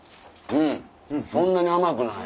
うんそんなに甘くない。